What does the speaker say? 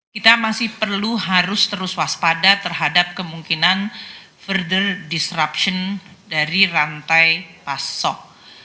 kita masih perlu harus terus waspada terhadap kemungkinan firder disruption dari rantai pasok